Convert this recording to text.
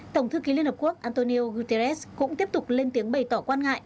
tổng thư ký liên hợp quốc antonio guterres cũng tiếp tục lên tiếng bày tỏ quan ngại